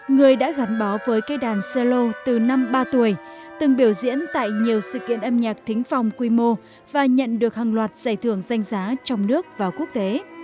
người đã gắn bó với cây đàn zalo từ năm ba tuổi từng biểu diễn tại nhiều sự kiện âm nhạc thính phòng quy mô và nhận được hàng loạt giải thưởng danh giá trong nước và quốc tế